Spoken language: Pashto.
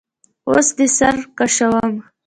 وس دي سره کشوم